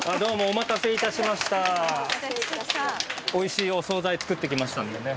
美味しいお惣菜作ってきましたのでね。